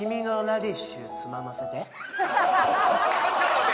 ちょっと待って。